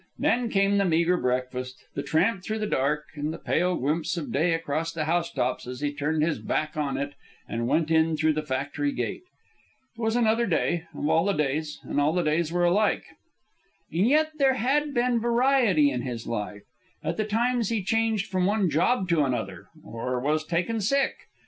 Then came the meagre breakfast, the tramp through the dark, and the pale glimpse of day across the housetops as he turned his back on it and went in through the factory gate. It was another day, of all the days, and all the days were alike. And yet there had been variety in his life at the times he changed from one job to another, or was taken sick.